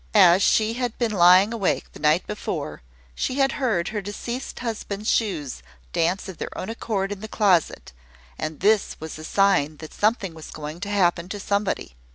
As she had been lying awake the night before, she had heard her deceased husband's shoes dance of their own accord in the closet; and this was a sign that something was going to happen to somebody.